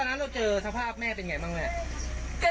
นี่มันพึ่งไปแบบนี้ใช่ไหมคะ